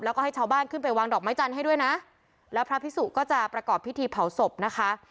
แล้วก็ให้ชาวบ้านขึ้นไปวางดอกไม้จันทร์ให้ด้วยนะแล้วพระพิสุก็จะประกอบพิธีเผาศพนะคะ